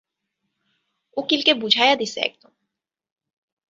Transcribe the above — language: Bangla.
উকিল কে বুঝায়া দিসে একদম।